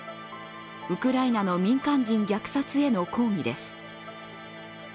ウクライナの民間人虐殺への抗議です。